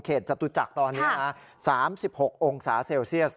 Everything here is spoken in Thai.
จตุจักรตอนนี้นะ๓๖องศาเซลเซียส